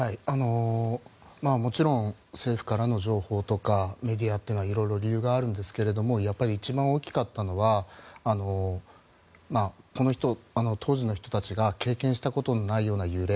もちろん政府からの情報とかメディアというのはいろいろと理由があるんですがやっぱり一番大きかったのは当時の人たちが経験したことのないような揺れ